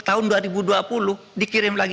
tahun dua ribu dua puluh dikirim lagi